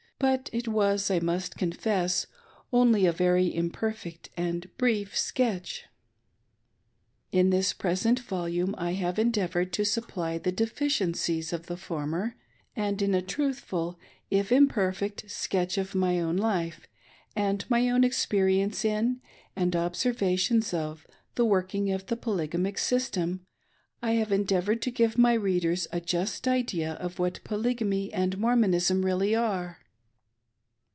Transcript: but it was, I must cowfeSs, only a very imperfect and brief sketch* In this present volume I have endeavored to supply the defieiencies of the former, and in a 6l6 UNDOING THE PAST, truthful, if imperfect, sketch of my own life and my own ex perience in, and observations of, the workings of the polyga mic system, I have endeavored to give my readers a just idea of what Polygamy and Mormonism really are.